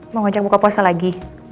mau ngajak buka puasa lagi